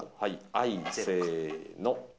はい、せの。